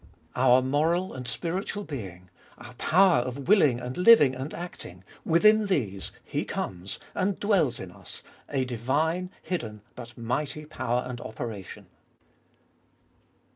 Our moral and spiritual being, our power of willing and living and acting, within these He comes and dwells in us a divine, hidden, but mighty power and operation.